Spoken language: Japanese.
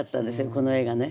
この絵がね。